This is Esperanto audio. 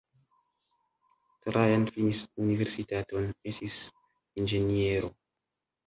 Trajan finis universitaton, estis inĝeniero.